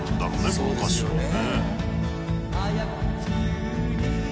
この歌詞をね」